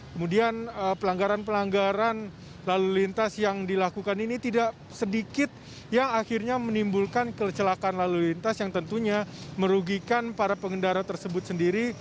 kemudian pelanggaran pelanggaran lalu lintas yang dilakukan ini tidak sedikit yang akhirnya menimbulkan kecelakaan lalu lintas yang tentunya merugikan para pengendara tersebut sendiri